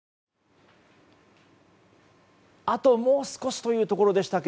あともう少しというところでしたが。